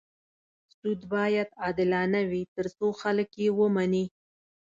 سود باید عادلانه وي تر څو خلک یې ومني.